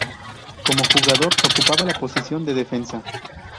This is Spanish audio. Como jugador ocupaba la posición de defensa.